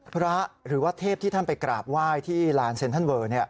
หรือว่าเทพที่ท่านไปกราบไหว้ที่ลานเซ็นทรัลเวอร์